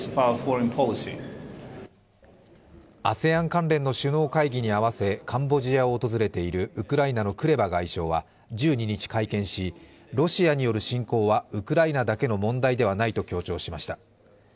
ＡＳＥＡＮ関連の首脳会議に合わせカンボジアを訪れているウクライナのクレバ外相は１２日会見し、ロシアによる侵攻はウクライナだけの問題ではないと強調しました。